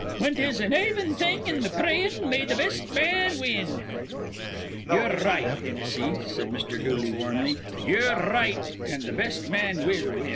"When 'tis an aven thing in th' prayin', may th' best man win." "Ye're r right, Hinnissy," said Mr. Dooley, warmly. "Ye're r right. An' th' best man will win."